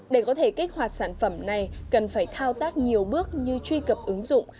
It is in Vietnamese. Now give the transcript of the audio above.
để có thể kích hoạt sản phẩm này cần phải thao tác nhiều bước như truy cập ứng dụng